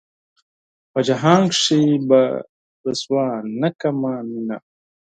پۀ جهان کښې به رسوا نۀ کړمه مينه